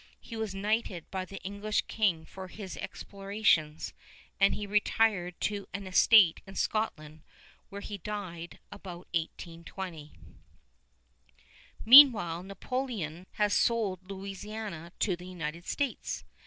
He was knighted by the English King for his explorations, and he retired to an estate in Scotland, where he died about 1820. Meanwhile, Napoleon has sold Louisiana to the United States.